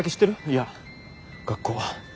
いや学校は。